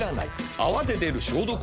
「泡で出る消毒液」は。